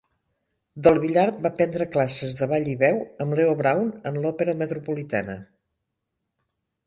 Del Villard va prendre classes de ball i veu amb Leo Braun en l'Òpera Metropolitana.